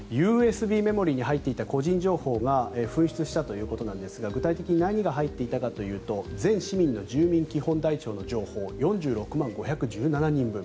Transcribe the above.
ＵＳＢメモリーに入っていた個人情報が紛失したということで具体的に何が入っていたかというと全市民の住民基本台帳の情報４６万５１７人分。